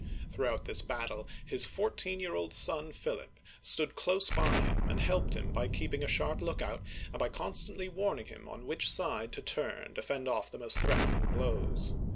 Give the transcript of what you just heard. Throughout this battle, his fourteen year old son, Philip, stood close beside him, and helped him by keeping a sharp lookout, and by constantly warning him on which side to turn to fend off the most threatening blows.